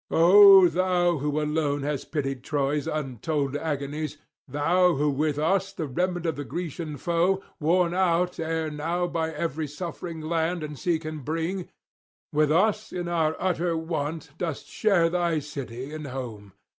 O thou who alone hast pitied Troy's untold agonies, thou who with us the remnant of the Grecian foe, worn out ere now by every suffering land and sea can bring, with us in our utter want dost share thy city and home!